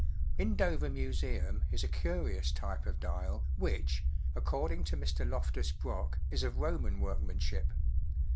In Dover Museum is a curious type of dial which, according to Mr, I.oftus Brock, is of Roman workmanship.